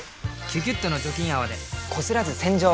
「キュキュット」の除菌泡でこすらず洗浄！